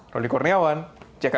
roli kurniawan jakarta